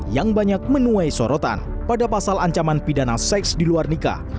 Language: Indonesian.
yang banyak menuai sorotan pada pasal ancaman pidana seks di luar nikah